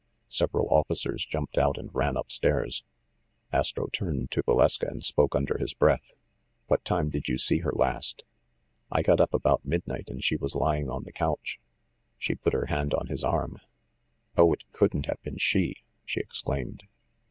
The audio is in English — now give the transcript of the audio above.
Several officers jumped out and ran up stairs. Astro turned to Valeska and spoke under his breath. "What time did you see her last?" "I got up about midnight, and she was lying on the couch." She put her hand on his arm. "Oh, it couldn't have been she!" she exclaimed.